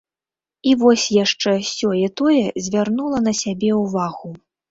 І вось яшчэ сёе-тое звярнула на сябе ўвагу.